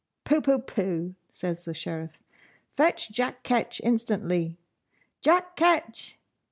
'Poo poo pooh,' says the Sheriff. 'Fetch Jack Ketch instantly. Jack Ketch!